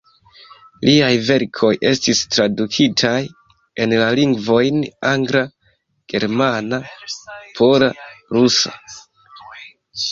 Liaj verkoj estis tradukitaj en la lingvojn angla, germana, pola, rusa.